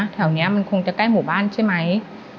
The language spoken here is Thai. แถวนี้มันคงจะใกล้หมู่บ้านใช่ไหม